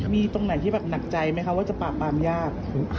มีตรงไหนที่แบบหนักใจไหมคะว่าจะปราบปรามยาก